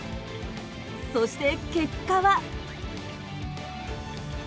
そして、結果は。